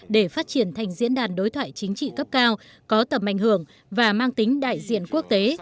để phát triển thành diễn đàn đối thoại chính trị cấp cao có tầm ảnh hưởng và mang tính đại diện quốc tế